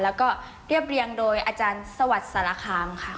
แล้วก็เรียบเรียงโดยอาจารย์สวัสดิ์สารคามค่ะ